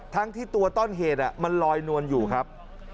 ทั้งที่ตัวต้นเหตุมันลอยนวลอยู่ครับ